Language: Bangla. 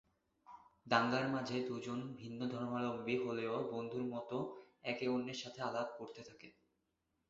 দাঙ্গার মাঝে দুজন ভিন্ন ধর্মাবলম্বী হলেও বন্ধুর মত একে অন্যের সাথে আলাপ করতে থাকে।